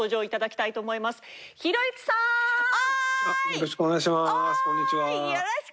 よろしくお願いします。